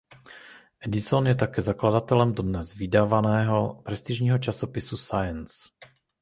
Edison je také zakladatelem dodnes vydávaného prestižního časopisu "Science".